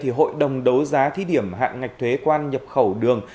hội đồng đấu giá thí điểm hạng ngạch thuế quan nhập khẩu đường